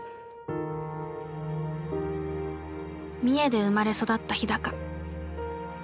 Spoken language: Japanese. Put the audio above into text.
三重で生まれ育った日。